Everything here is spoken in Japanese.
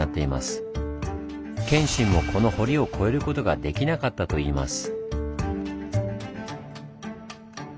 謙信もこの堀を越えることができなかったといいます。